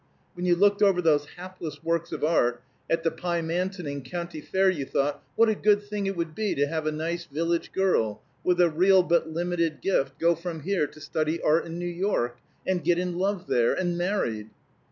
When you looked over those hapless works of art at the Pymantoning County Fair, you thought, 'What a good thing it would be to have a nice village girl, with a real but limited gift, go from here to study art in New York! And get in love there! And married!'